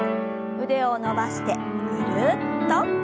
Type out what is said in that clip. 腕を伸ばしてぐるっと。